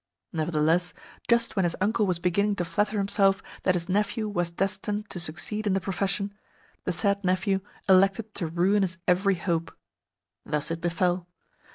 Nevertheless, just when his uncle was beginning to flatter himself that his nephew was destined to succeed in the profession, the said nephew elected to ruin his every hope. Thus it befell.